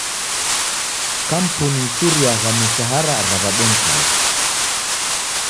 Kampuni ichuriagha mishara ra w'abonyi kazi.